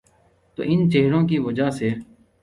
تو ان چہروں کی وجہ سے۔